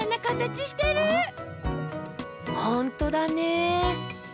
ほんとだね。